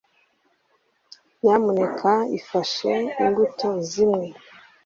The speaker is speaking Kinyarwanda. nyamuneka ifashe imbuto zimwe